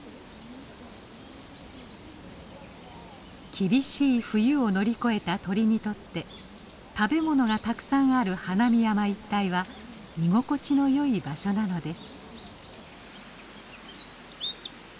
厳しい冬を乗り越えた鳥にとって食べ物がたくさんある花見山一帯は居心地のよい場所なのです。